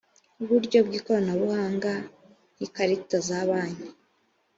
uburyo bw’ikoranabuhanga nk’ikarita za banki